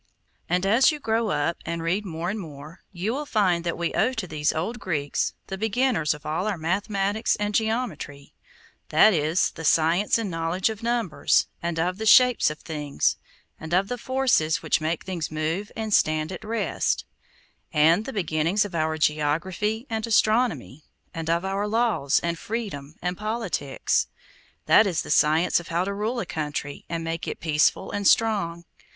And as you grow up, and read more and more, you will find that we owe to these old Greeks the beginners of all our mathematics and geometry—that is, the science and knowledge of numbers, and of the shapes of things, and of the forces which make things move and stand at rest; and the beginnings of our geography and astronomy; and of our laws, and freedom, and politics—that is, the science of how to rule a country, and make it peaceful and strong.